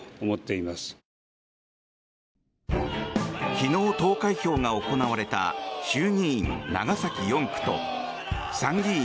昨日、投開票が行われた衆議院長崎４区と参議院